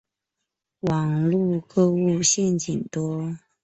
网路购物陷阱多